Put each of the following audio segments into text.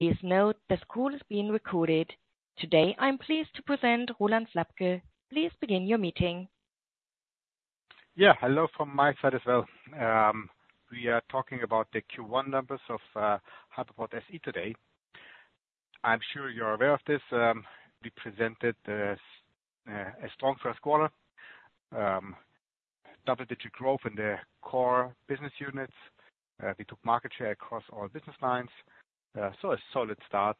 Please note the call is being recorded. Today I'm pleased to present Ronald Slabke. Please begin your meeting. Yeah, hello from my side as well. We are talking about the Q1 numbers of Hypoport SE today. I'm sure you're aware of this. We presented a strong first quarter, double-digit growth in the core business units. We took market share across all business lines, so a solid start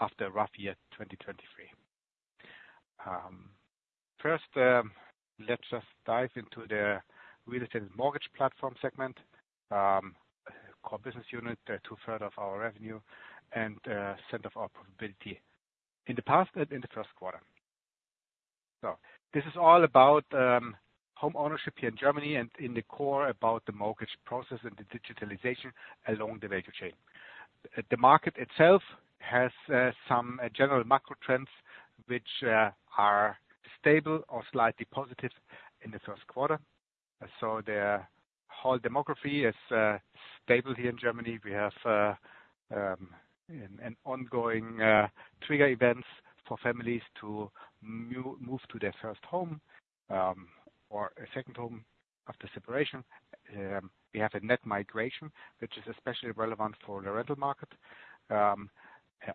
after a rough year 2023. First, let's just dive into the real estate and mortgage platform segment, core business unit, 2/3 of our revenue, and center of our profitability in the past and in the first quarter. So this is all about home ownership here in Germany and, in the core, about the mortgage process and the digitalization along the value chain. The market itself has some general macro trends which are stable or slightly positive in the first quarter. So the whole demography is stable here in Germany. We have an ongoing trigger events for families to move to their first home, or a second home after separation. We have a net migration which is especially relevant for the rental market,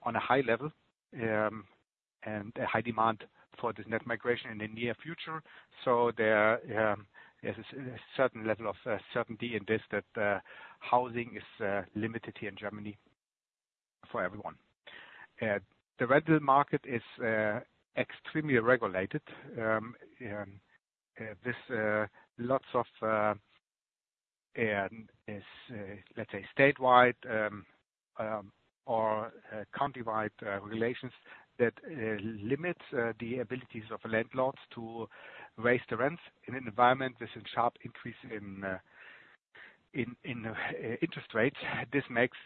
on a high level, and a high demand for this net migration in the near future. So there, there's a certain level of certainty in this that housing is limited here in Germany for everyone. The rental market is extremely regulated. This lots of is, let's say statewide, or countywide, regulations that limits the abilities of landlords to raise the rents in an environment with a sharp increase in interest rates. This makes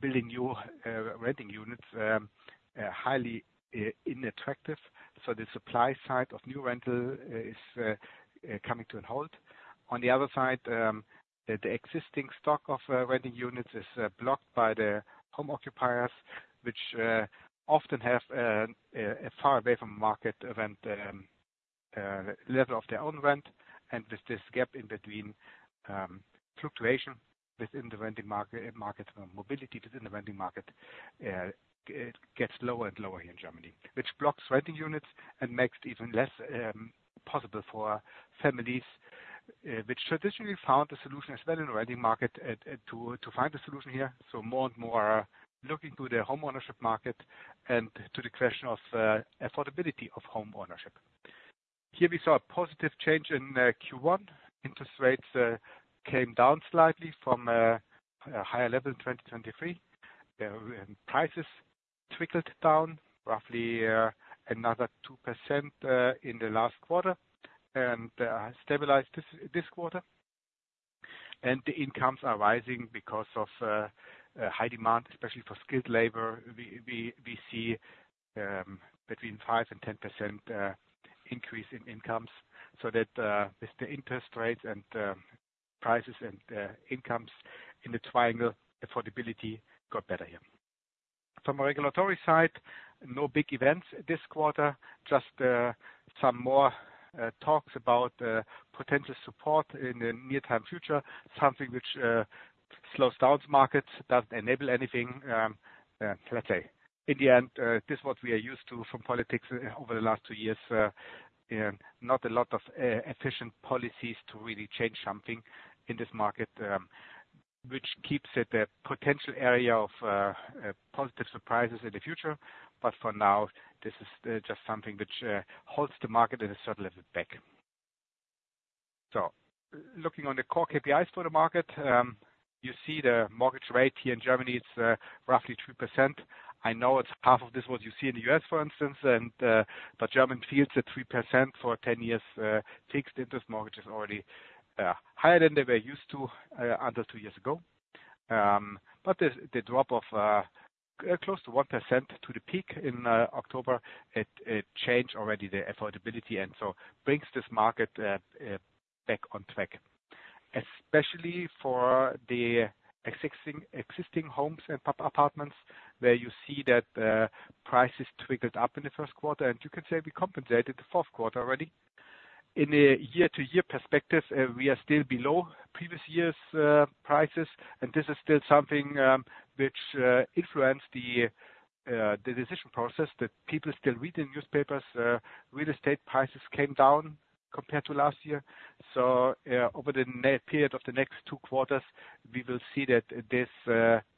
building new renting units highly unattractive. So the supply side of new rental is coming to a halt. On the other side, the existing stock of renting units is blocked by the home occupiers which often have a far away from market rent level of their own rent. And with this gap in between, fluctuation within the renting market, market mobility within the renting market, gets lower and lower here in Germany, which blocks renting units and makes it even less possible for families which traditionally found a solution as well in the renting market, to find a solution here. So more and more are looking to the home ownership market and to the question of affordability of home ownership. Here we saw a positive change in Q1. Interest rates came down slightly from a higher level in 2023. Prices trickled down roughly another 2% in the last quarter and stabilized this quarter. And the incomes are rising because of high demand, especially for skilled labor. We see between 5%-10% increase in incomes so that with the interest rates and prices and incomes in the triangle, affordability got better here. From a regulatory side, no big events this quarter, just some more talks about potential support in the near-term future, something which slows down the market, doesn't enable anything. Let's say, in the end, this is what we are used to from politics, over the last two years, not a lot of efficient policies to really change something in this market, which keeps it a potential area of positive surprises in the future. But for now, this is just something which holds the market at a certain level back. So looking on the core KPIs for the market, you see the mortgage rate here in Germany, it's roughly 3%. I know it's half of this what you see in the U.S., for instance, and, but German yields at 3% for 10 years, fixed interest mortgages already, higher than they were used to, until two years ago. But the drop of close to 1% to the peak in October, it changed already the affordability and so brings this market back on track, especially for the existing homes and apartments where you see that prices trickled up in the first quarter. And you can say we compensated the fourth quarter already. In a year-over-year perspective, we are still below previous year's prices. And this is still something which influenced the decision process that people still read in newspapers. Real estate prices came down compared to last year. So, over the next period of the next two quarters, we will see that this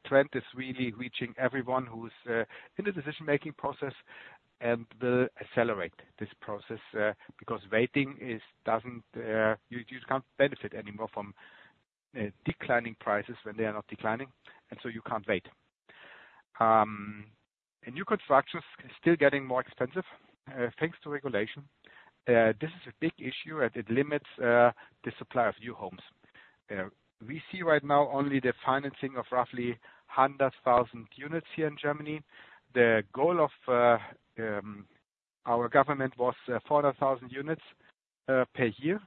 trend is really reaching everyone who's in the decision-making process and will accelerate this process, because waiting doesn't, you can't benefit anymore from declining prices when they are not declining. And so you can't wait. New constructions are still getting more expensive, thanks to regulation. This is a big issue, and it limits the supply of new homes. We see right now only the financing of roughly 100,000 units here in Germany. The goal of our government was 400,000 units per year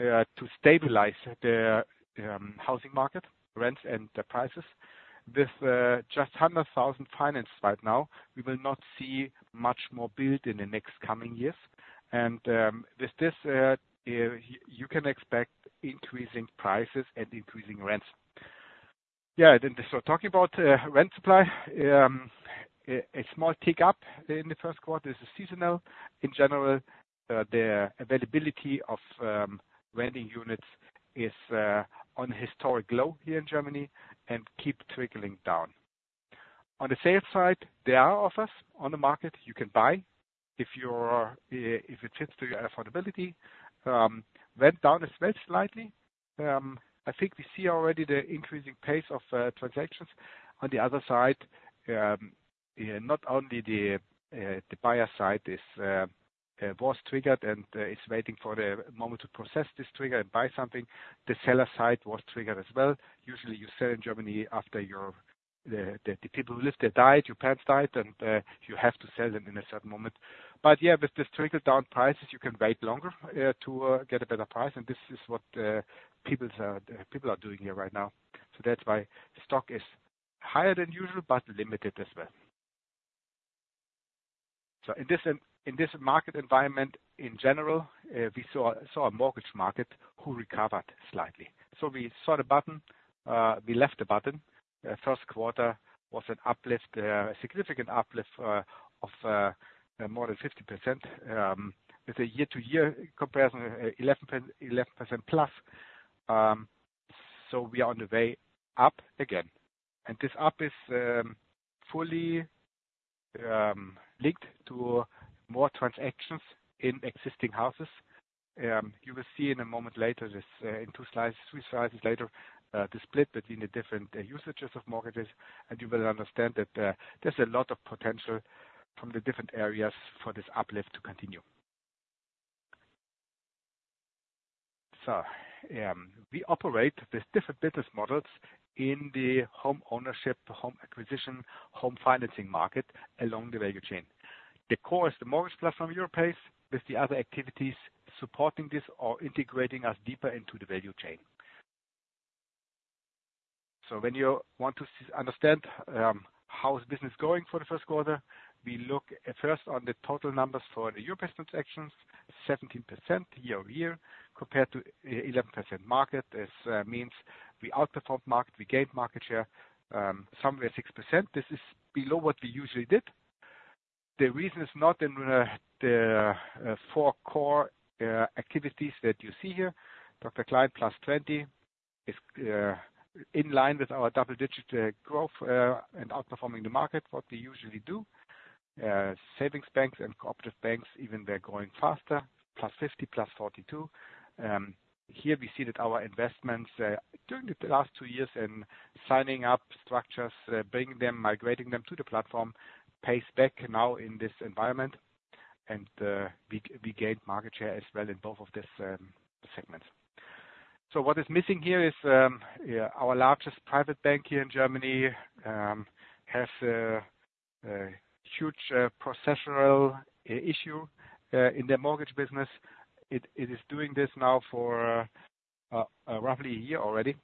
to stabilize the housing market, rents, and prices. With just 100,000 financed right now, we will not see much more build in the next coming years. And with this, you can expect increasing prices and increasing rents. Yeah, then so talking about rent supply, a small tick up in the first quarter is seasonal. In general, the availability of renting units is on a historic low here in Germany and keeps trickling down. On the sales side, there are offers on the market you can buy if it fits to your affordability. Rent down as well slightly. I think we see already the increasing pace of transactions. On the other side, not only the buyer side was triggered and is waiting for the moment to process this trigger and buy something, the seller side was triggered as well. Usually, you sell in Germany after the people who lived there died, your parents died, and you have to sell them in a certain moment. But yeah, with this trickled-down prices, you can wait longer to get a better price. This is what people are doing here right now. So that's why stock is higher than usual but limited as well. So in this market environment in general, we saw a mortgage market who recovered slightly. So we saw the bottom. We left the bottom. First quarter was an uplift, a significant uplift of more than 50%, with a year-to-year comparison, 11%, 11%+. So we are on the way up again. And this up is fully linked to more transactions in existing houses. You will see in a moment later this, in two slides, three slides later, the split between the different usages of mortgages. And you will understand that, there's a lot of potential from the different areas for this uplift to continue. So, we operate with different business models in the home ownership, home acquisition, home financing market along the value chain. The core is the mortgage platform Europace with the other activities supporting this or integrating us deeper into the value chain. So when you want to see, understand how business is going for the first quarter, we look first on the total numbers for the Europace transactions, 17% year-over-year compared to 11% market. This means we outperformed market, we gained market share, somewhere 6%. This is below what we usually did. The reason is not in the four core activities that you see here. Dr. Klein +20% is in line with our double-digit growth and outperforming the market, what we usually do. Savings banks and cooperative banks, even they're going faster, +50%, +42%. Here we see that our investments, during the last two years in signing up structures, bringing them, migrating them to the platform, pays back now in this environment. We gained market share as well in both of these segments. So what is missing here is, our largest private bank here in Germany has huge procedural issue in their mortgage business. It is doing this now for roughly a year already.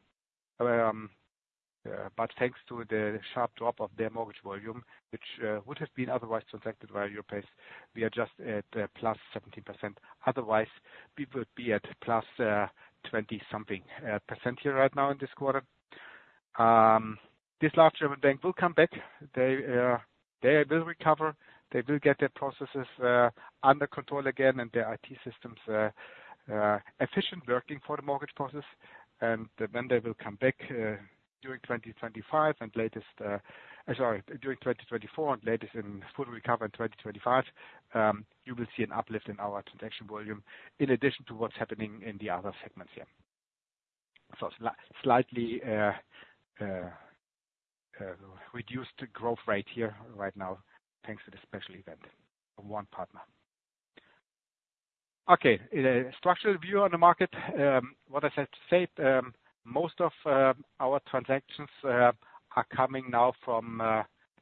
But thanks to the sharp drop of their mortgage volume which would have been otherwise transacted via Europace, we are just at +17%. Otherwise, we would be at +20-something% here right now in this quarter. This large German bank will come back. They will recover. They will get their processes under control again and their IT systems efficient working for the mortgage process. And then they will come back during 2025 and latest—sorry, during 2024 and latest in fully recover in 2025. You will see an uplift in our transaction volume in addition to what's happening in the other segments here. So slightly reduced growth rate here right now thanks to the special event from one partner. Okay, structural view on the market. What I said to say, most of our transactions are coming now from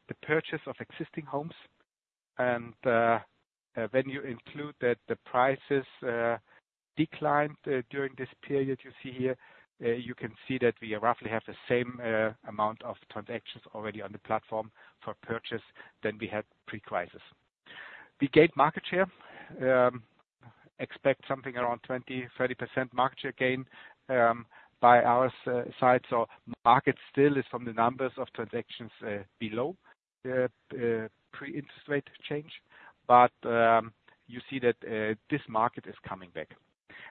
the purchase of existing homes. When you include that the prices declined during this period you see here, you can see that we roughly have the same amount of transactions already on the platform for purchase than we had pre-crisis. We gained market share. Expect something around 20%-30% market share gain by our side. So market still is from the numbers of transactions below pre-interest rate change. But you see that this market is coming back.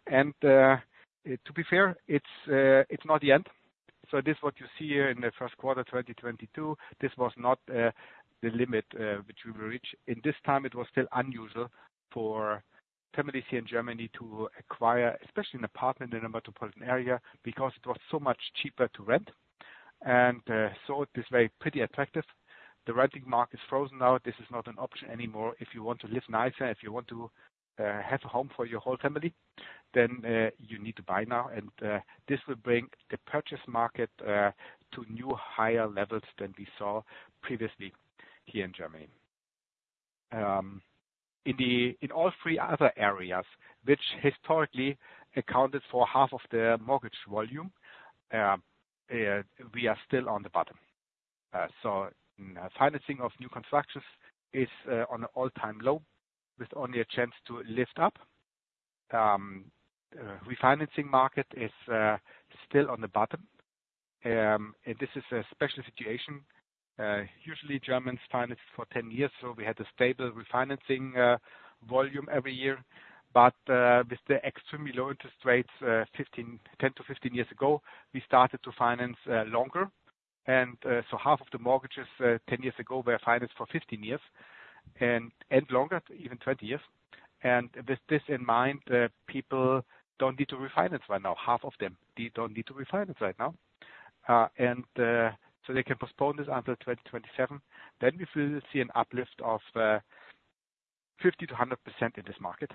And, to be fair, it's not the end. So this is what you see here in the first quarter 2022. This was not the limit which we will reach. In this time, it was still unusual for families here in Germany to acquire especially an apartment in a metropolitan area because it was so much cheaper to rent. And so it was very pretty attractive. The renting market's frozen now. This is not an option anymore. If you want to live nicer, if you want to have a home for your whole family, then you need to buy now. And this will bring the purchase market to new higher levels than we saw previously here in Germany. In all three other areas which historically accounted for half of the mortgage volume, we are still on the bottom. In financing of new constructions is on an all-time low with only a chance to lift up. Refinancing market is still on the bottom. This is a special situation. Usually, Germans finance for 10 years. We had a stable refinancing volume every year. With the extremely low interest rates 10 to 15 years ago, we started to finance longer. Half of the mortgages 10 years ago were financed for 15 years and longer, even 20 years. With this in mind, people don't need to refinance right now. Half of them don't need to refinance right now. They can postpone this until 2027. Then we will see an uplift of 50%-100% in this market,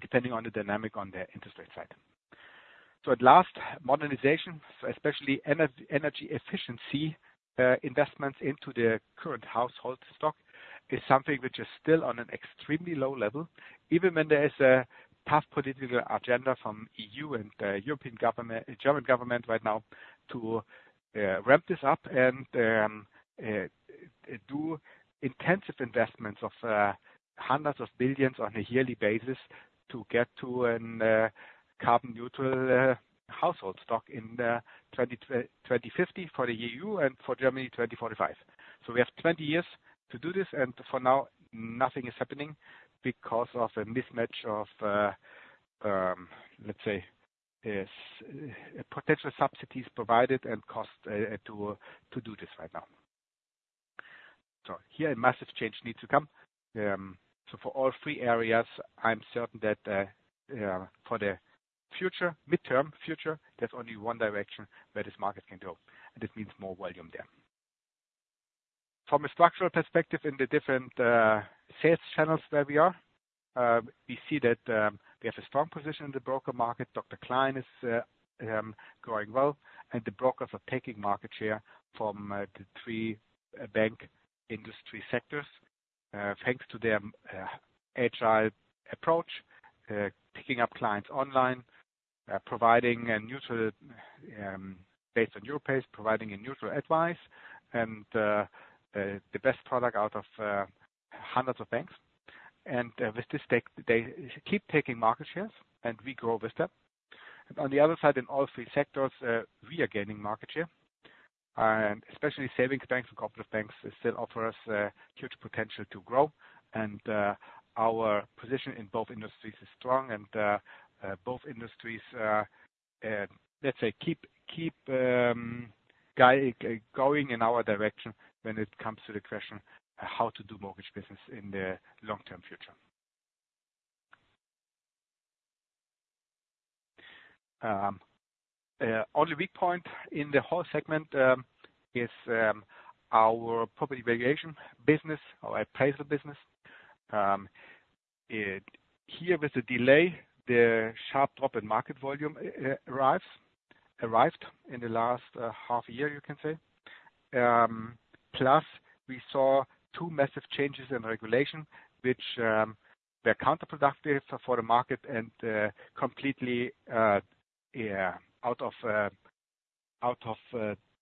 depending on the dynamic on the interest rate side. So at last, modernization, so especially energy efficiency, investments into the current household stock is something which is still on an extremely low level even when there is a tough political agenda from E.U. and the European government, German government right now to ramp this up and do intensive investments of hundreds of billions EUR on a yearly basis to get to a carbon-neutral household stock in 2020, 2050 for the E.U. and for Germany 2045. So we have 20 years to do this. And for now, nothing is happening because of a mismatch of, let's say, potential subsidies provided and cost to do this right now. So here, a massive change needs to come. So for all three areas, I'm certain that for the future, mid-term future, there's only one direction where this market can go. And it means more volume there. From a structural perspective in the different sales channels where we are, we see that we have a strong position in the broker market. Dr. Klein is growing well. The brokers are taking market share from the three bank industry sectors, thanks to their agile approach, picking up clients online, providing a neutral based on Europace, providing a neutral advice, and the best product out of hundreds of banks. With this, they keep taking market shares, and we grow with them. On the other side, in all three sectors, we are gaining market share. Especially savings banks and cooperative banks still offer us huge potential to grow. Our position in both industries is strong. Both industries, let's say, keep going in our direction when it comes to the question how to do mortgage business in the long-term future. only weak point in the whole segment is our property valuation business or appraisal business. Here with the delay, the sharp drop in market volume arrived in the last half a year, you can say. Plus we saw two massive changes in regulation which were counterproductive for the market and completely out of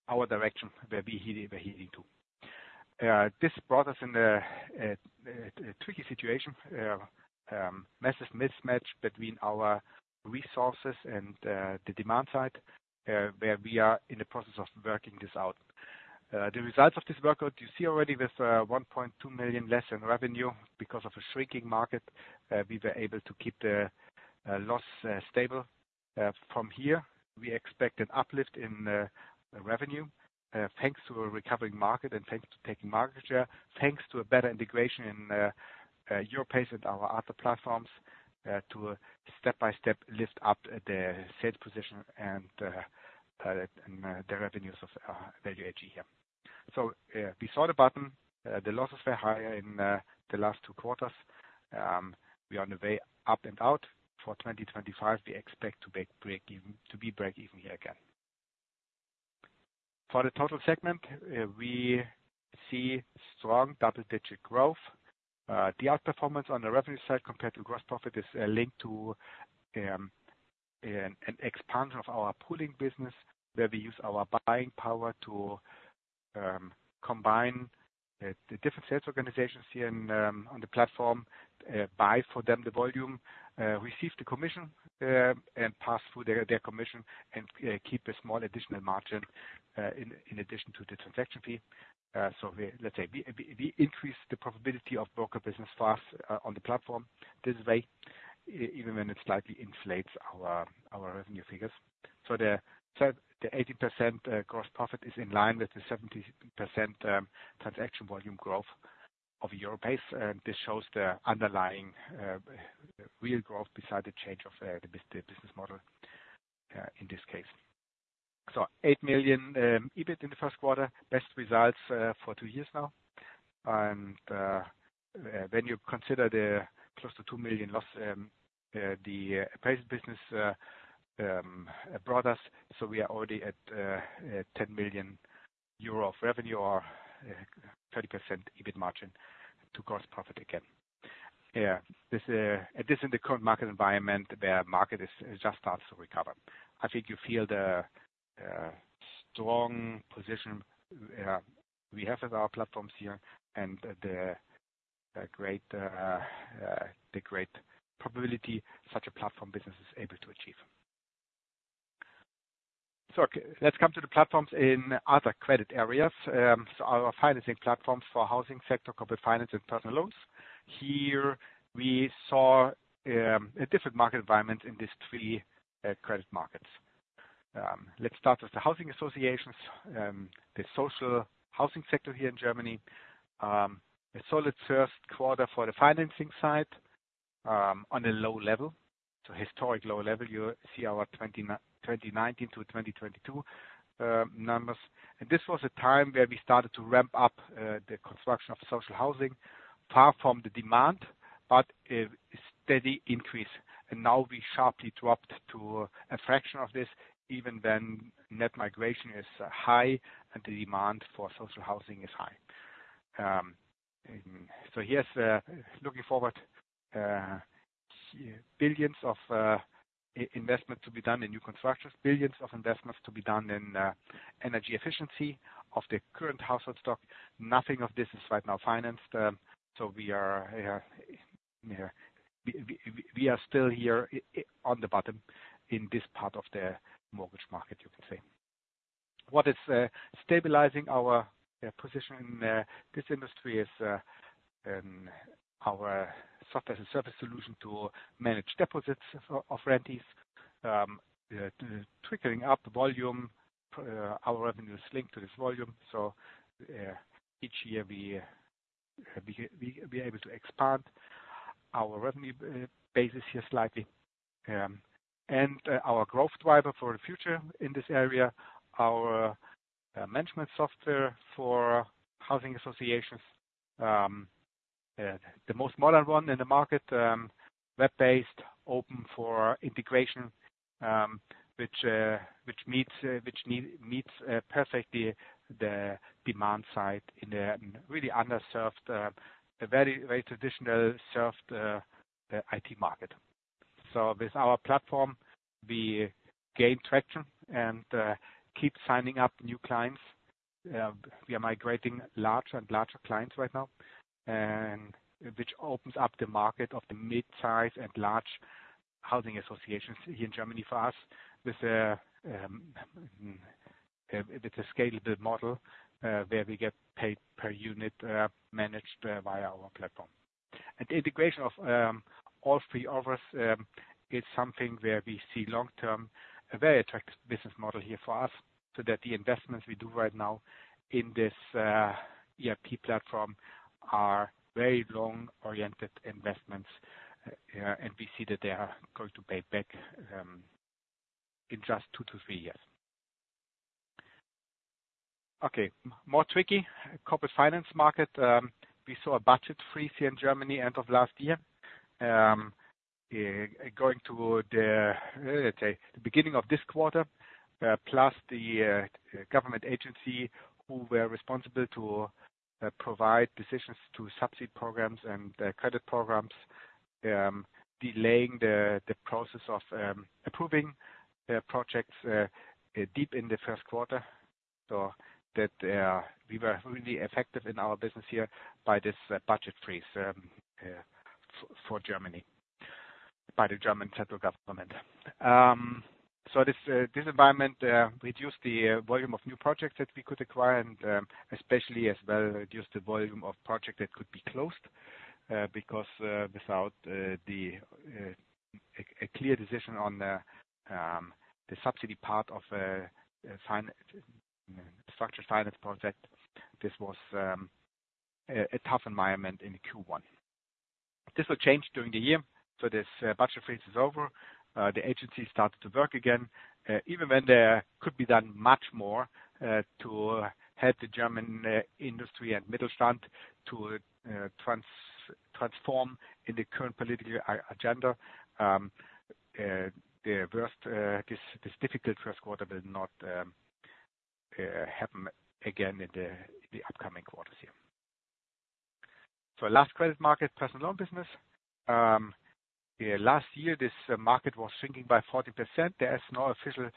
our direction where we were heading to. This brought us in a tricky situation, massive mismatch between our resources and the demand side, where we are in the process of working this out. The results of this workload you see already with 1.2 million less in revenue because of a shrinking market. We were able to keep the loss stable. From here, we expect an uplift in revenue, thanks to a recovering market and thanks to taking market share, thanks to a better integration in Europace and our other platforms, to step-by-step lift up the sales position and the revenues of our Value AG here. So, we saw the bottom. The losses were higher in the last two quarters. We are on the way up and out. For 2025, we expect to break even to be break-even here again. For the total segment, we see strong double-digit growth. The outperformance on the revenue side compared to gross profit is linked to an expansion of our pooling business where we use our buying power to combine the different sales organizations here in on the platform, buy for them the volume, receive the commission, and pass through their commission and keep a small additional margin in addition to the transaction fee. So we, let's say, increase the probability of broker business fast on the platform this way, even when it slightly inflates our revenue figures. So the 18% gross profit is in line with the 70% transaction volume growth of Europace. And this shows the underlying real growth beside the change of the business model in this case. So 8 million EBIT in the first quarter, best results for two years now. When you consider the close to 2 million loss the appraisal business brought us, so we are already at 10 million euro of revenue or 30% EBIT margin to gross profit again. This is in the current market environment where market is just starts to recover. I think you feel the strong position we have with our platforms here and the great probability such a platform business is able to achieve. So let's come to the platforms in other credit areas. So our financing platforms for housing sector, corporate finance, and personal loans, here we saw a different market environment in these three credit markets. Let's start with the housing associations, the social housing sector here in Germany. A solid first quarter for the financing side, on a low level. So historic low level, you see our 2019 to 2022 numbers. This was a time where we started to ramp up the construction of social housing far from the demand, but a steady increase. Now we sharply dropped to a fraction of this even when net migration is high and the demand for social housing is high. So, looking forward billions of investment to be done in new constructions, billions of investments to be done in energy efficiency of the current household stock. Nothing of this is right now financed. So we are still here on the bottom in this part of the mortgage market, you can say. What is stabilizing our position in this industry is our software as a service solution to manage deposits of tenants. Trickling up the volume, our revenue is linked to this volume. So, each year we are able to expand our revenue basis here slightly. Our growth driver for the future in this area, our management software for housing associations, the most modern one in the market, web-based, open for integration, which meets the need perfectly the demand side in a really underserved, very traditional served IT market. So with our platform, we gain traction and keep signing up new clients. We are migrating larger and larger clients right now, which opens up the market of the mid-size and large housing associations here in Germany for us with a scalable model, where we get paid per unit managed via our platform. Integration of all three of us is something where we see long-term a very attractive business model here for us so that the investments we do right now in this ERP platform are very long-oriented investments, and we see that they are going to pay back in just two to three years. Okay. More tricky corporate finance market. We saw a budget freeze here in Germany end of last year going to the, let's say, the beginning of this quarter, plus the government agency who were responsible to provide decisions to subsidy programs and credit programs delaying the process of approving projects deep in the first quarter so that we were really affected in our business here by this budget freeze for Germany by the German central government. So, this environment reduced the volume of new projects that we could acquire and, especially as well, reduced the volume of projects that could be closed, because without a clear decision on the subsidy part of a financed structured finance project, this was a tough environment in Q1. This will change during the year. So, this budget freeze is over. The agency started to work again, even when there could be done much more to help the German industry and Mittelstand to transform in the current political agenda. This difficult first quarter will not happen again in the upcoming quarters here. So, last credit market personal loan business. Last year, this market was shrinking by 40%. There is no official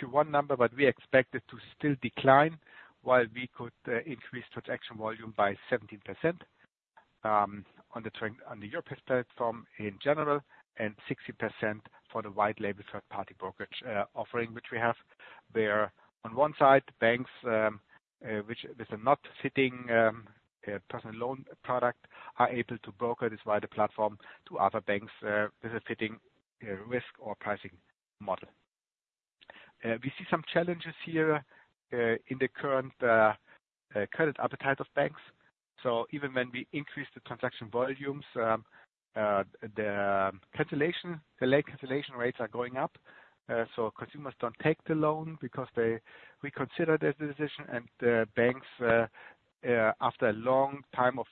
Q1 number, but we expected to still decline while we could increase transaction volume by 17% on the trend on the Europace platform in general and 60% for the white-label third-party brokerage offering which we have where on one side banks which with a not fitting personal loan product are able to broker this wider platform to other banks with a fitting risk or pricing model. We see some challenges here in the current credit appetite of banks. So even when we increase the transaction volumes, the cancellation, the late cancellation rates are going up. So consumers don't take the loan because they reconsider their decision. And the banks, after a long time of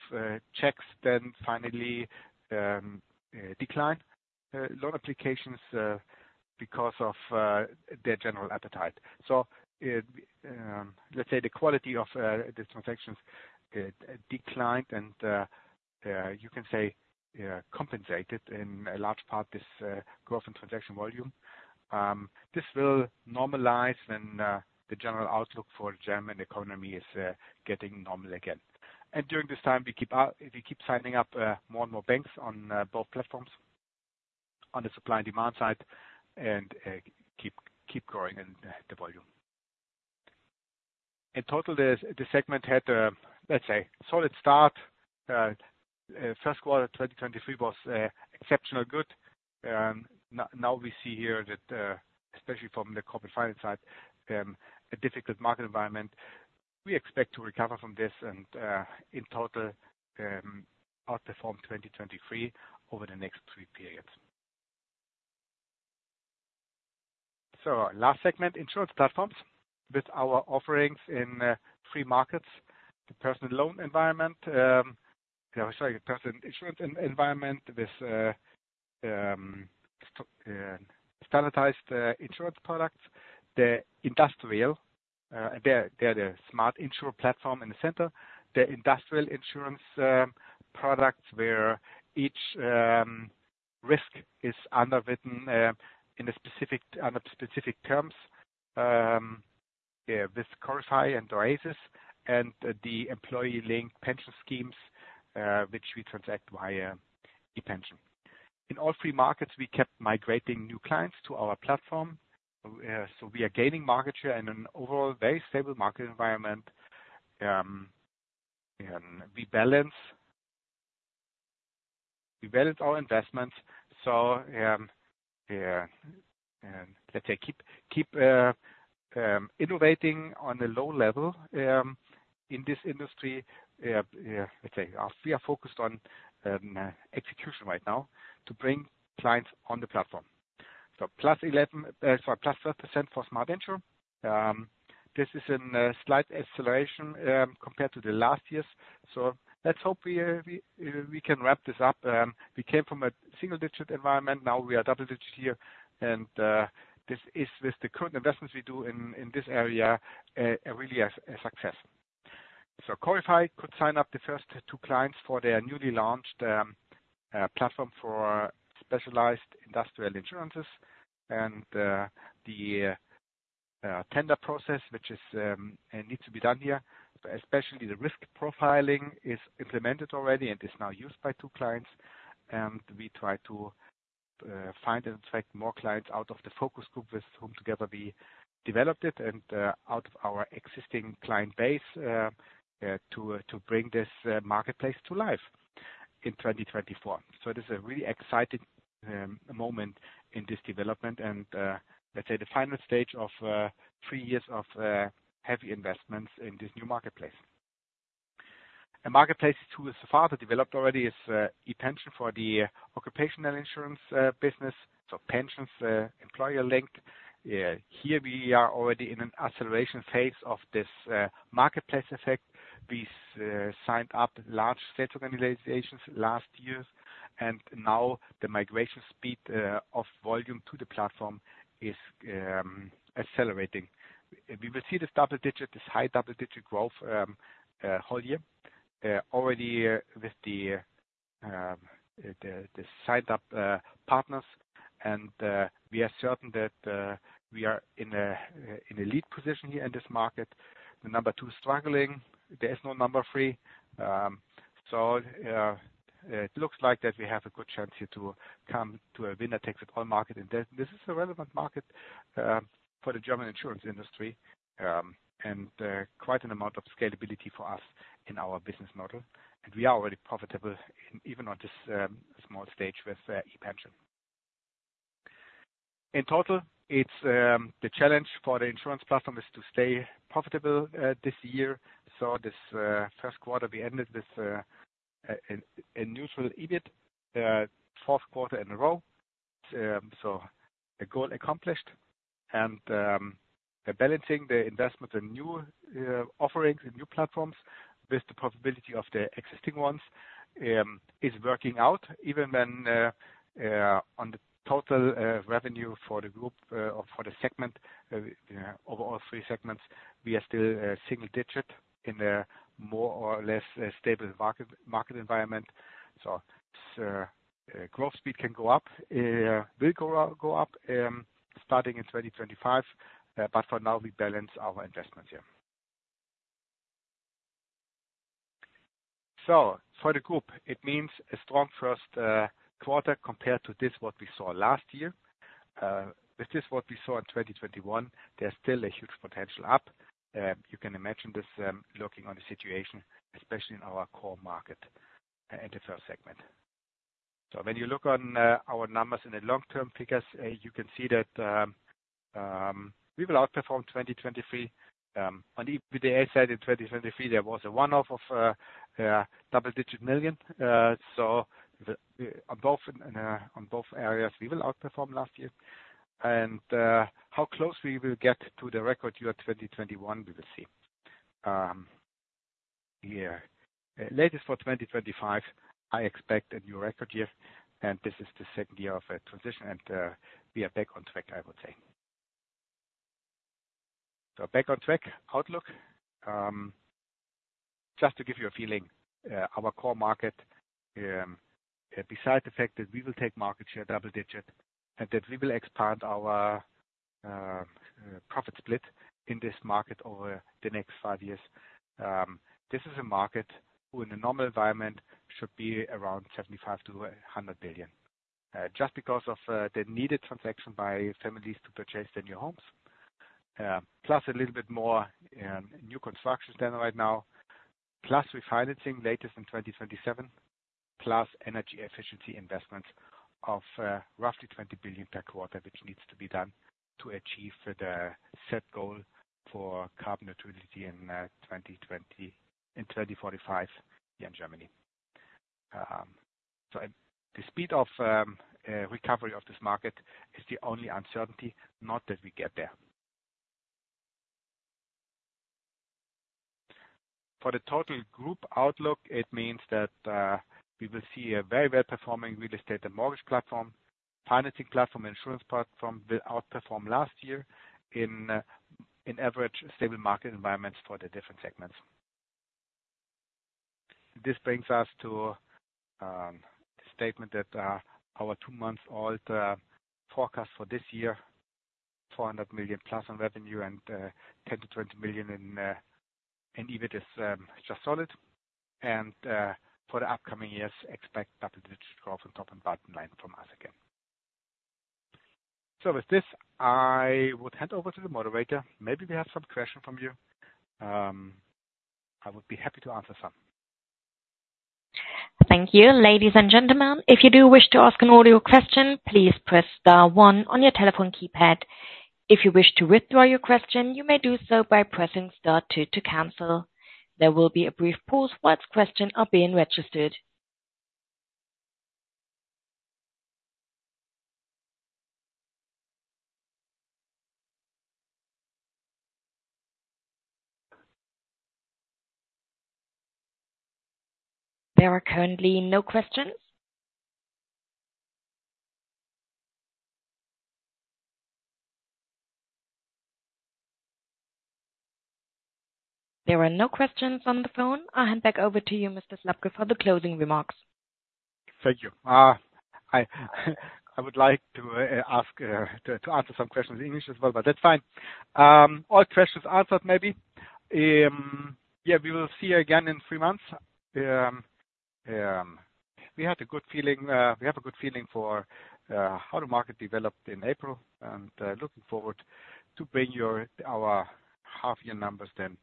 checks, then finally decline loan applications because of their general appetite. So, let's say the quality of these transactions declined and, you can say, compensated in a large part this growth in transaction volume. This will normalize when the general outlook for the German economy is getting normal again. And during this time, we keep signing up more and more banks on both platforms on the supply and demand side and keep growing in the volume. In total, this segment had a, let's say, solid start. First quarter 2023 was exceptionally good. Now we see here that, especially from the corporate finance side, a difficult market environment. We expect to recover from this and, in total, outperform 2023 over the next three periods. So last segment, insurance platforms with our offerings in B2B markets, the personal loan environment, sorry, the personal insurance environment with standardized insurance products, the industrial and the Smart Insur platform in the center, the industrial insurance products where each risk is underwritten under specific terms with Corify and Oasis and the employee-linked pension schemes, which we transact via ePension. In all B2B markets, we kept migrating new clients to our platform, so we are gaining market share in an overall very stable market environment. We balance our investments. So let's say keep innovating on a low level in this industry. Let's say we are focused on execution right now to bring clients on the platform. So +12% for Smart Insur. This is a slight acceleration compared to the last years. So let's hope we can wrap this up. We came from a single-digit environment. Now we are double-digit here. And this is with the current investments we do in this area, a really success. So Corify could sign up the first two clients for their newly launched platform for specialized industrial insurances and the tender process which needs to be done here. So especially the risk profiling is implemented already and is now used by two clients. And we try to find and attract more clients out of the focus group with whom together we developed it and out of our existing client base to bring this marketplace to life in 2024. So it is a really exciting moment in this development and let's say the final stage of three years of heavy investments in this new marketplace. A marketplace who is further developed already is ePension for the occupational insurance business. So pensions, employer-linked. Here we are already in an acceleration phase of this marketplace effect. We signed up large federal organizations last years. And now the migration speed of volume to the platform is accelerating. We will see this double-digit, this high double-digit growth whole year, already with the signed up partners. And we are certain that we are in a lead position here in this market. The number two is struggling. There is no number three. So it looks like that we have a good chance here to come to a winner-takes-it-all market. And this is a relevant market for the German insurance industry, and quite an amount of scalability for us in our business model. And we are already profitable even on this small stage with ePension. In total, it's the challenge for the insurance platform to stay profitable this year. So this first quarter, we ended with a neutral EBIT, fourth quarter in a row, so a goal accomplished. And balancing the investments in new offerings, in new platforms with the possibility of the existing ones, is working out even when on the total revenue for the group, or for the segment, over all three segments, we are still single-digit in a more or less stable market environment. So growth speed can go up, will go up, starting in 2025. But for now, we balance our investments here. So for the group, it means a strong first quarter compared to what we saw last year, with what we saw in 2021, there's still a huge potential up. You can imagine this, looking on the situation, especially in our core market, and the first segment. So when you look on our numbers in the long-term figures, you can see that we will outperform 2023. On the EBITDA side, in 2023, there was a one-off of double-digit million euros. So on both, in both areas, we will outperform last year. And how close we will get to the record year 2021, we will see. Yeah. Latest for 2025, I expect a new record year. And this is the second year of a transition. And we are back on track, I would say. So back on track outlook. Just to give you a feeling, our core market, besides the fact that we will take market share, double-digit, and that we will expand our profit split in this market over the next five years, this is a market who in a normal environment should be around 75 billion-100 billion, just because of the needed transaction by families to purchase their new homes, plus a little bit more, new constructions done right now, plus refinancing latest in 2027, plus energy efficiency investments of roughly 20 billion per quarter which needs to be done to achieve the set goal for carbon neutrality in 2045 here in Germany. So the speed of recovery of this market is the only uncertainty, not that we get there. For the total group outlook, it means that we will see a very well-performing real estate and mortgage platform, financing platform, insurance platform will outperform last year in average stable market environments for the different segments. This brings us to the statement that our two-month-old forecast for this year, 400 million+ on revenue and 10 million-20 million in EBIT, is just solid. For the upcoming years, expect double-digit growth on top and bottom line from us again. So with this, I would hand over to the moderator. Maybe we have some questions from you. I would be happy to answer some. Thank you. Ladies and gentlemen, if you do wish to ask an audio question, please press star one on your telephone keypad. If you wish to withdraw your question, you may do so by pressing star two to cancel. There will be a brief pause while your question is being registered. There are currently no questions. There are no questions on the phone. I'll hand back over to you, Mr. Slabke, for the closing remarks. Thank you. I would like to answer some questions in English as well, but that's fine. All questions answered, maybe. Yeah, we will see you again in three months. We had a good feeling, we have a good feeling for how the market developed in April and, looking forward to bring our half-year numbers then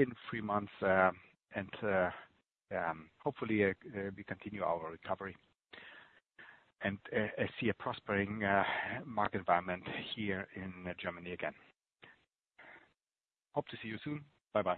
in three months, and, hopefully, we continue our recovery and, see a prospering market environment here in Germany again. Hope to see you soon. Bye-bye.